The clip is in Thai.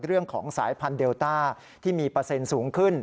เรื่องของสายพันธุเดลต้าที่มีเปอร์เซ็นต์สูงขึ้น